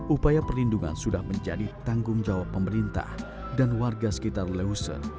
upaya perlindungan sudah menjadi tanggung jawab pemerintah dan warga sekitar leuser